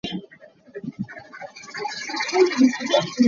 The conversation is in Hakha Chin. An i nuam tuk i an ni leen ko.